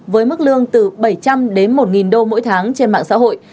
với mức lương từ bảy trăm linh đến một đô mỗi tháng trên mạng xã hội